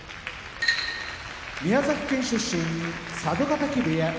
宮崎県出身佐渡ヶ嶽部屋宇良